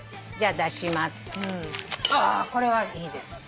あこれはいいです。